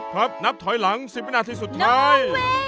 ครับนับถอยหลัง๑๐นาทีสุดท้าย